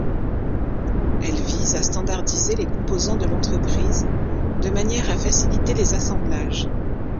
Elle vise à standardiser les composants de l'entreprise de manière à faciliter les assemblages.